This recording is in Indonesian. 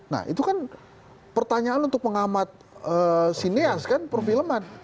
nah itu kan pertanyaan untuk pengamat sineas kan perfilman